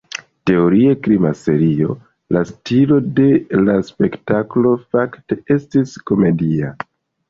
Teorie krima serio, la stilo de la spektaklo fakte estis komedia.